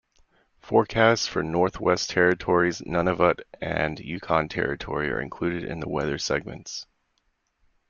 Forecasts for Northwest Territories, Nunavut, and Yukon Territory are included in the weather segments.